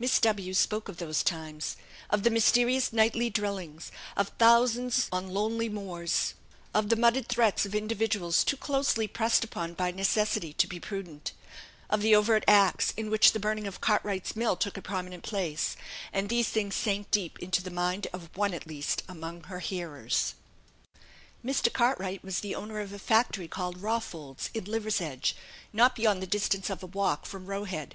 Miss W spoke of those times; of the mysterious nightly drillings; of thousands on lonely moors; of the muttered threats of individuals too closely pressed upon by necessity to be prudent; of the overt acts, in which the burning of Cartwright's mill took a prominent place; and these things sank deep into the mind of one, at least, among her hearers. Mr. Cartwright was the owner of a factory called Rawfolds, in Liversedge, not beyond the distance of a walk from Roe Head.